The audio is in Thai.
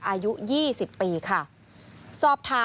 อายุ๒๐ปีค่ะ